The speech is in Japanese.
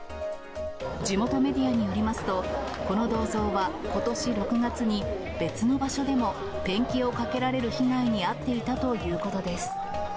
地元メディアによりますと、この銅像はことし６月に、別の場所でもペンキをかけられる被害に遭っていたということです。